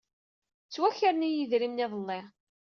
Ttwakren-iyi yedrimen iḍelli.